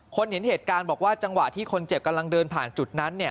เห็นเหตุการณ์บอกว่าจังหวะที่คนเจ็บกำลังเดินผ่านจุดนั้น